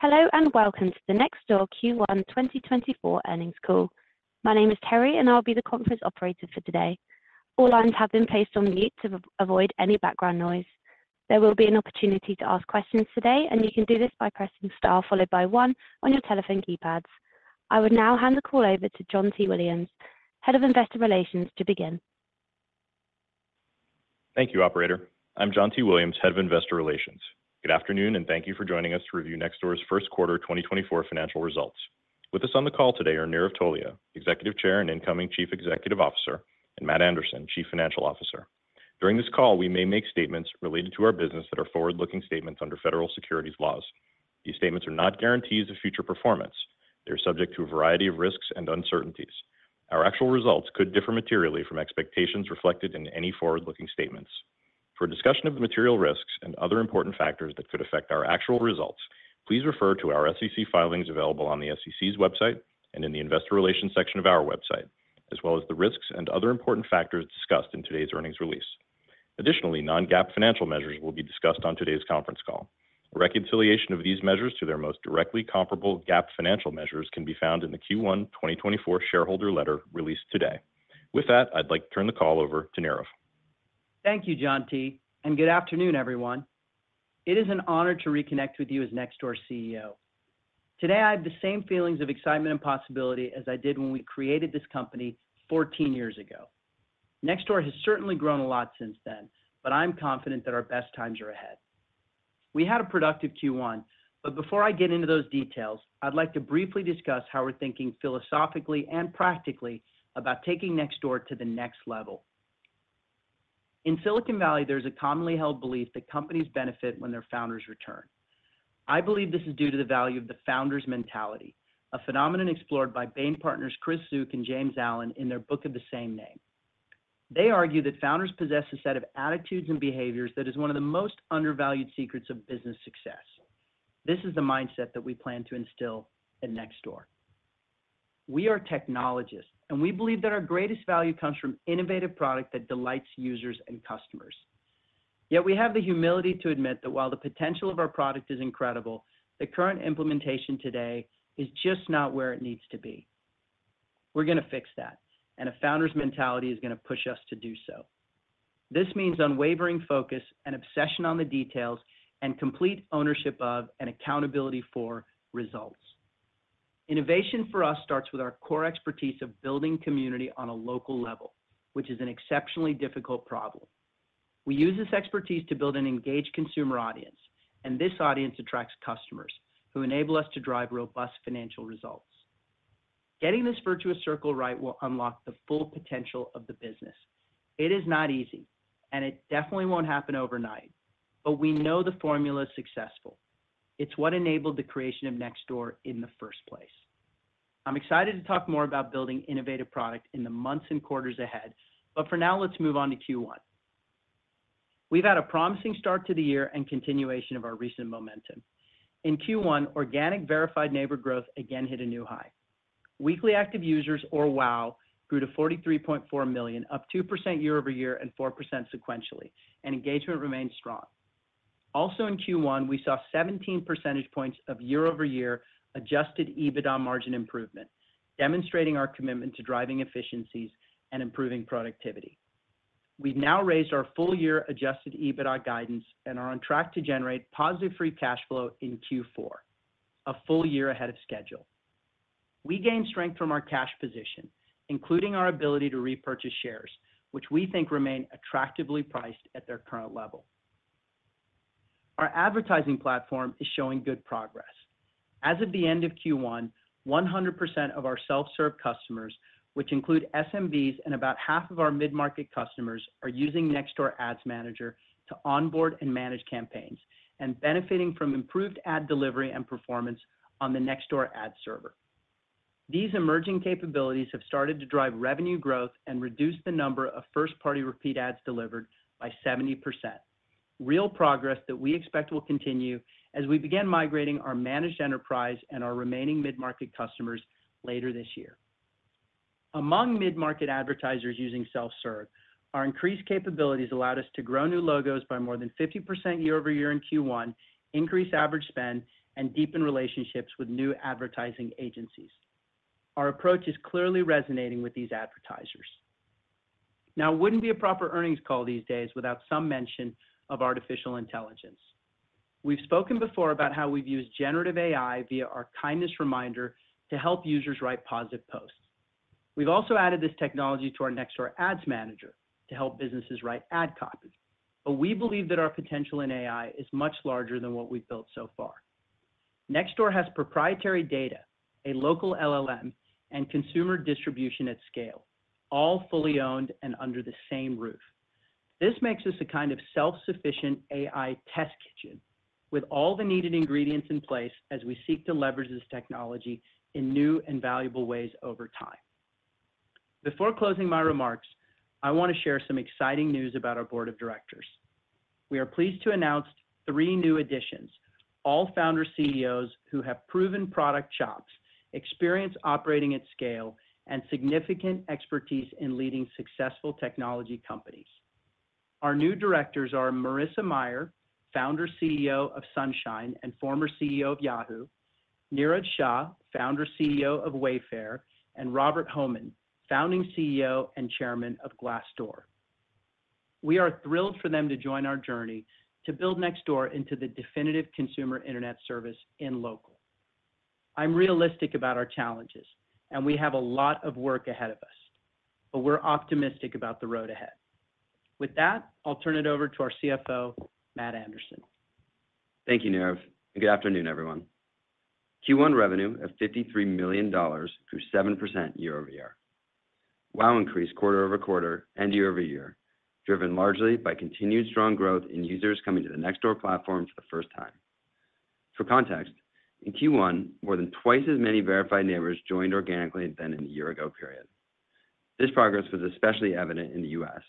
Hello and welcome to the Nextdoor Q1 2024 Earnings Call. My name is Terry, and I'll be the conference operator for today. All lines have been placed on mute to avoid any background noise. There will be an opportunity to ask questions today, and you can do this by pressing star followed by one on your telephone keypads. I would now hand the call over to John T. Williams, Head of Investor Relations, to begin. Thank you, Operator. I'm John T. Williams, Head of Investor Relations. Good afternoon, and thank you for joining us to review Nextdoor's first quarter 2024 financial results. With us on the call today are Nirav Tolia, Executive Chair and incoming Chief Executive Officer, and Matt Anderson, Chief Financial Officer. During this call, we may make statements related to our business that are forward-looking statements under federal securities laws. These statements are not guarantees of future performance. They are subject to a variety of risks and uncertainties. Our actual results could differ materially from expectations reflected in any forward-looking statements. For a discussion of the material risks and other important factors that could affect our actual results, please refer to our SEC filings available on the SEC's website and in the Investor Relations section of our website, as well as the risks and other important factors discussed in today's earnings release. Additionally, non-GAAP financial measures will be discussed on today's conference call. A reconciliation of these measures to their most directly comparable GAAP financial measures can be found in the Q1 2024 shareholder letter released today. With that, I'd like to turn the call over to Nirav. Thank you, John T., and good afternoon, everyone. It is an honor to reconnect with you as Nextdoor's CEO. Today, I have the same feelings of excitement and possibility as I did when we created this company 14 years ago. Nextdoor has certainly grown a lot since then, but I'm confident that our best times are ahead. We had a productive Q1, but before I get into those details, I'd like to briefly discuss how we're thinking philosophically and practically about taking Nextdoor to the next level. In Silicon Valley, there's a commonly held belief that companies benefit when their founders return. I believe this is due to the value of the founders' mentality, a phenomenon explored by Bain partners' Chris Zook and James Allen in their book of the same name. They argue that founders possess a set of attitudes and behaviors that is one of the most undervalued secrets of business success. This is the mindset that we plan to instill at Nextdoor. We are technologists, and we believe that our greatest value comes from innovative product that delights users and customers. Yet we have the humility to admit that while the potential of our product is incredible, the current implementation today is just not where it needs to be. We're going to fix that, and a founders' mentality is going to push us to do so. This means unwavering focus and obsession on the details, and complete ownership of and accountability for results. Innovation for us starts with our core expertise of building community on a local level, which is an exceptionally difficult problem. We use this expertise to build an engaged consumer audience, and this audience attracts customers who enable us to drive robust financial results. Getting this virtuous circle right will unlock the full potential of the business. It is not easy, and it definitely won't happen overnight, but we know the formula is successful. It's what enabled the creation of Nextdoor in the first place. I'm excited to talk more about building innovative product in the months and quarters ahead, but for now, let's move on to Q1. We've had a promising start to the year and continuation of our recent momentum. In Q1, organic verified neighbor growth again hit a new high. Weekly active users, or WAU, grew to 43.4 million, up 2% year-over-year and 4% sequentially, and engagement remained strong. Also in Q1, we saw 17 percentage points of year-over-year Adjusted EBITDA margin improvement, demonstrating our commitment to driving efficiencies and improving productivity. We've now raised our full-year Adjusted EBITDA guidance and are on track to generate positive Free Cash Flow in Q4, a full year ahead of schedule. We gained strength from our cash position, including our ability to repurchase shares, which we think remain attractively priced at their current level. Our advertising platform is showing good progress. As of the end of Q1, 100% of our self-serve customers, which include SMBs and about half of our mid-market customers, are using Nextdoor Ads Manager to onboard and manage campaigns and benefiting from improved ad delivery and performance on the Nextdoor ad server. These emerging capabilities have started to drive revenue growth and reduce the number of first-party repeat ads delivered by 70%, real progress that we expect will continue as we begin migrating our managed enterprise and our remaining mid-market customers later this year. Among mid-market advertisers using self-serve, our increased capabilities allowed us to grow new logos by more than 50% year-over-year in Q1, increase average spend, and deepen relationships with new advertising agencies. Our approach is clearly resonating with these advertisers. Now, it wouldn't be a proper earnings call these days without some mention of artificial intelligence. We've spoken before about how we've used generative AI via our Kindness Reminder to help users write positive posts. We've also added this technology to our Nextdoor Ads Manager to help businesses write ad copy, but we believe that our potential in AI is much larger than what we've built so far. Nextdoor has proprietary data, a local LLM, and consumer distribution at scale, all fully owned and under the same roof. This makes us a kind of self-sufficient AI test kitchen, with all the needed ingredients in place as we seek to leverage this technology in new and valuable ways over time. Before closing my remarks, I want to share some exciting news about our Board of Directors. We are pleased to announce three new additions, all founder CEOs who have proven product chops, experience operating at scale, and significant expertise in leading successful technology companies. Our new directors are Marissa Mayer, founder CEO of Sunshine and former CEO of Yahoo!; Niraj Shah, founder CEO of Wayfair; and Robert Hohman, founding CEO and chairman of Glassdoor. We are thrilled for them to join our journey to build Nextdoor into the definitive consumer internet service in local. I'm realistic about our challenges, and we have a lot of work ahead of us, but we're optimistic about the road ahead. With that, I'll turn it over to our CFO, Matt Anderson. Thank you, Nirav, and good afternoon, everyone. Q1 revenue of $53 million grew 7% year-over-year. WAU increased quarter-over-quarter and year-over-year, driven largely by continued strong growth in users coming to the Nextdoor platform for the first time. For context, in Q1, more than twice as many verified neighbors joined organically than in the year-ago period. This progress was especially evident in the U.S.,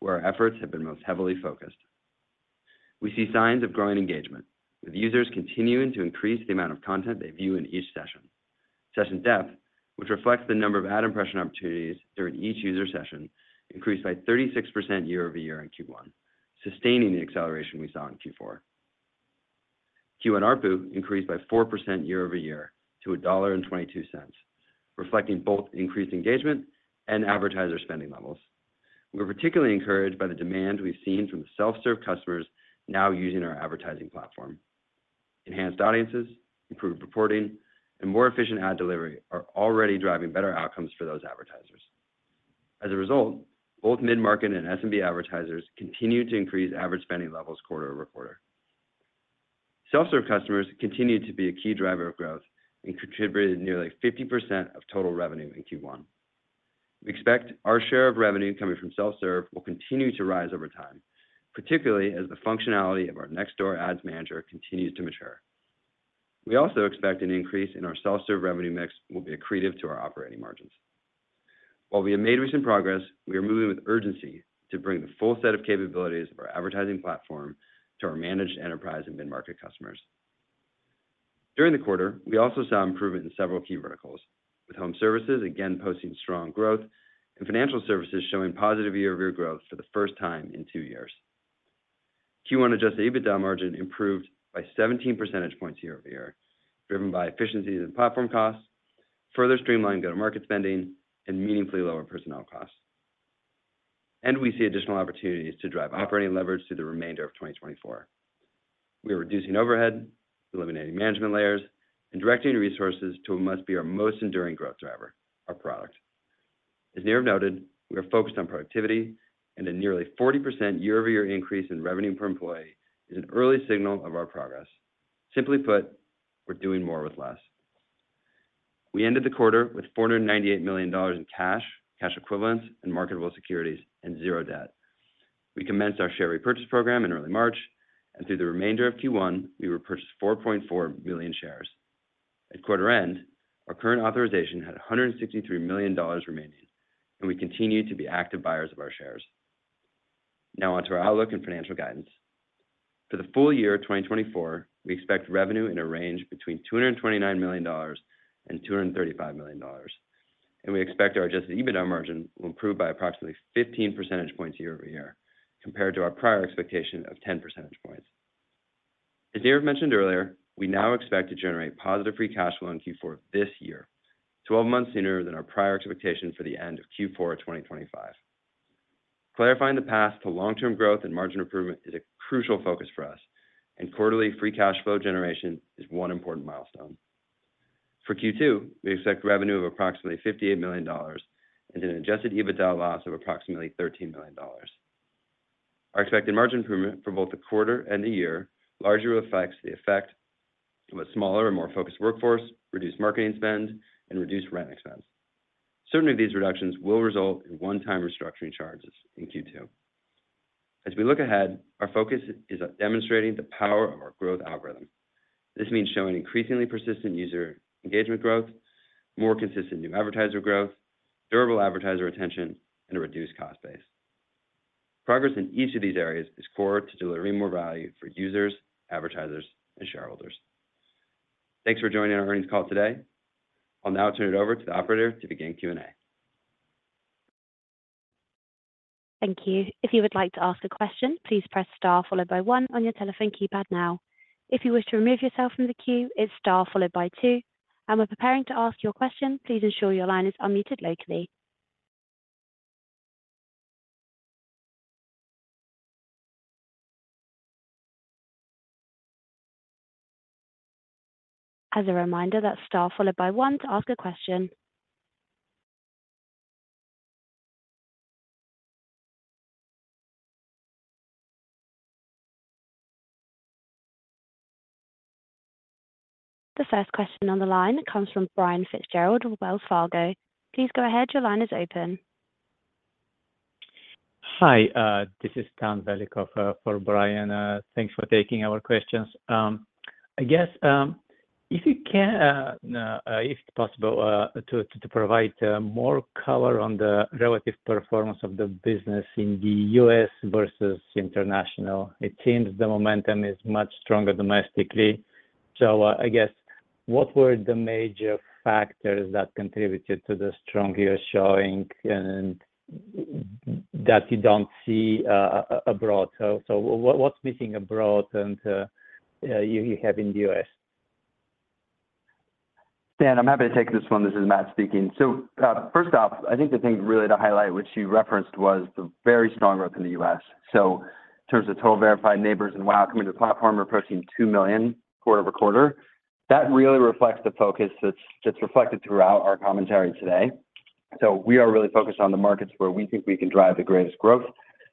where our efforts have been most heavily focused. We see signs of growing engagement, with users continuing to increase the amount of content they view in each session. Session depth, which reflects the number of ad impression opportunities during each user session, increased by 36% year-over-year in Q1, sustaining the acceleration we saw in Q4. Q1 ARPU increased by 4% year-over-year to $1.22, reflecting both increased engagement and advertiser spending levels. We're particularly encouraged by the demand we've seen from the self-serve customers now using our advertising platform. Enhanced audiences, improved reporting, and more efficient ad delivery are already driving better outcomes for those advertisers. As a result, both mid-market and SMB advertisers continue to increase average spending levels quarter-over-quarter. Self-serve customers continue to be a key driver of growth and contributed nearly 50% of total revenue in Q1. We expect our share of revenue coming from self-serve will continue to rise over time, particularly as the functionality of our Nextdoor Ads Manager continues to mature. We also expect an increase in our self-serve revenue mix will be accretive to our operating margins. While we have made recent progress, we are moving with urgency to bring the full set of capabilities of our advertising platform to our managed enterprise and mid-market customers. During the quarter, we also saw improvement in several key verticals, with home services again posting strong growth and financial services showing positive year-over-year growth for the first time in two years. Q1 Adjusted EBITDA margin improved by 17 percentage points year-over-year, driven by efficiencies in platform costs, further streamlined go-to-market spending, and meaningfully lower personnel costs. We see additional opportunities to drive operating leverage through the remainder of 2024. We are reducing overhead, eliminating management layers, and directing resources to what must be our most enduring growth driver, our product. As Nirav noted, we are focused on productivity, and a nearly 40% year-over-year increase in revenue per employee is an early signal of our progress. Simply put, we're doing more with less. We ended the quarter with $498 million in cash, cash equivalents and marketable securities, and zero debt. We commenced our share repurchase program in early March, and through the remainder of Q1, we repurchased 4.4 million shares. At quarter end, our current authorization had $163 million remaining, and we continue to be active buyers of our shares. Now onto our outlook and financial guidance. For the full year 2024, we expect revenue in a range between $229 million and $235 million, and we expect our adjusted EBITDA margin will improve by approximately 15 percentage points year-over-year, compared to our prior expectation of 10 percentage points. As Nirav mentioned earlier, we now expect to generate positive free cash flow in Q4 this year, 12 months sooner than our prior expectation for the end of Q4 2025. Clarifying the path to long-term growth and margin improvement is a crucial focus for us, and quarterly free cash flow generation is one important milestone. For Q2, we expect revenue of approximately $58 million and an Adjusted EBITDA loss of approximately $13 million. Our expected margin improvement for both the quarter and the year largely reflects the effect of a smaller and more focused workforce, reduced marketing spend, and reduced rent expense. Certainly, these reductions will result in one-time restructuring charges in Q2. As we look ahead, our focus is on demonstrating the power of our growth algorithm. This means showing increasingly persistent user engagement growth, more consistent new advertiser growth, durable advertiser attention, and a reduced cost base. Progress in each of these areas is core to delivering more value for users, advertisers, and shareholders. Thanks for joining our earnings call today. I'll now turn it over to the operator to begin Q&A. Thank you. If you would like to ask a question, please press star followed by one on your telephone keypad now. If you wish to remove yourself from the queue, it's star followed by two. We're preparing to ask your question, please ensure your line is unmuted locally. As a reminder, that's star followed by one to ask a question. The first question on the line comes from Brian Fitzgerald of Wells Fargo. Please go ahead, your line is open. Hi, this is Dan Valek for Brian. Thanks for taking our questions. I guess if you can, if it's possible, to provide more color on the relative performance of the business in the U.S. versus international. It seems the momentum is much stronger domestically. So I guess what were the major factors that contributed to the strong you're showing and that you don't see abroad? So what's missing abroad and you have in the U.S.? Dan, I'm happy to take this one. This is Matt speaking. So first off, I think the thing really to highlight, which you referenced, was the very strong growth in the U.S. So in terms of total verified neighbors and WAU coming to the platform, we're approaching 2 million quarter-over-quarter. That really reflects the focus that's reflected throughout our commentary today. So we are really focused on the markets where we think we can drive the greatest growth.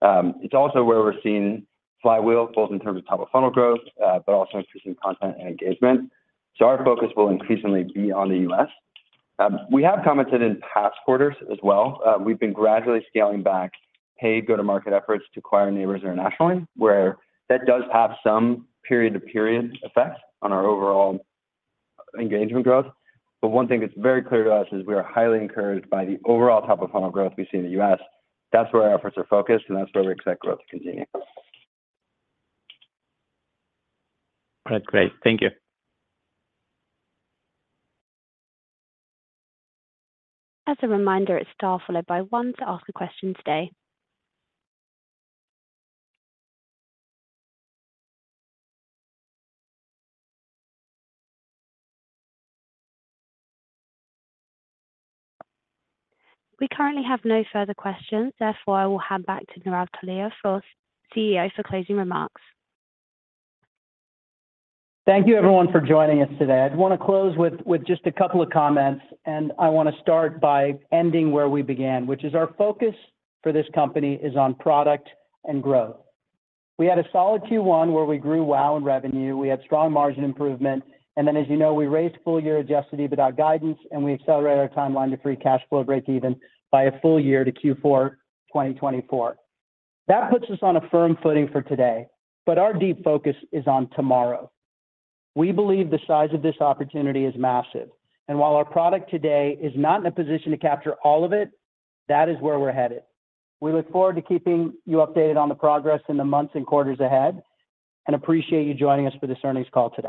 It's also where we're seeing flywheels, both in terms of top-of-funnel growth, but also increasing content and engagement. So our focus will increasingly be on the U.S. We have commented in past quarters as well. We've been gradually scaling back paid go-to-market efforts to acquire neighbors internationally, where that does have some period-to-period effect on our overall engagement growth. One thing that's very clear to us is we are highly encouraged by the overall top-of-funnel growth we see in the U.S. That's where our efforts are focused, and that's where we expect growth to continue. All right, great. Thank you. As a reminder, it's star followed by one to ask a question today. We currently have no further questions. Therefore, I will hand back to Nirav Tolia, CEO, for closing remarks. Thank you, everyone, for joining us today. I'd want to close with just a couple of comments, and I want to start by ending where we began, which is our focus for this company is on product and growth. We had a solid Q1 where we grew WAU in revenue. We had strong margin improvement. And then, as you know, we raised full-year Adjusted EBITDA guidance, and we accelerated our timeline to Free Cash Flow breakeven by a full year to Q4 2024. That puts us on a firm footing for today, but our deep focus is on tomorrow. We believe the size of this opportunity is massive. And while our product today is not in a position to capture all of it, that is where we're headed. We look forward to keeping you updated on the progress in the months and quarters ahead and appreciate you joining us for this earnings call today.